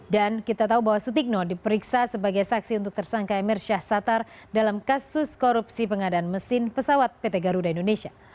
kita tahu bahwa sutikno diperiksa sebagai saksi untuk tersangka emir syahsatar dalam kasus korupsi pengadaan mesin pesawat pt garuda indonesia